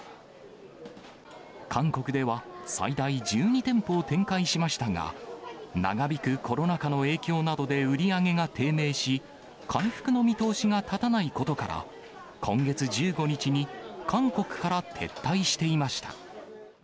韓国では、最大１２店舗を展開しましたが、長引くコロナ禍の影響などで売り上げが低迷し、回復の見通しが立たないことから、今月１５日に韓国から撤退していました。